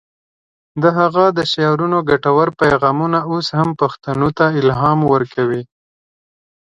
د هغه د شعرونو ګټور پیغامونه اوس هم پښتنو ته الهام ورکوي.